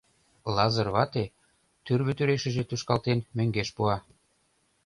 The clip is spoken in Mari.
Лазыр вате, тӱрвӧ тӱрешыже тушкалтен, мӧҥгеш пуа.